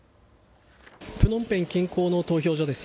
プノンペン近郊の投票所です。